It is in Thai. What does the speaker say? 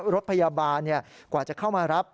รถพยาบาลกว่าจะเข้ามารับ